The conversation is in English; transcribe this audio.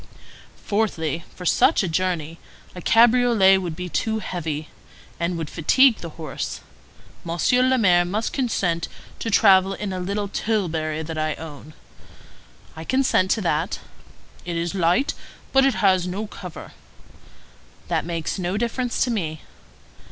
"Fourthly, for such a journey a cabriolet would be too heavy, and would fatigue the horse. Monsieur le Maire must consent to travel in a little tilbury that I own." "I consent to that." "It is light, but it has no cover." "That makes no difference to me."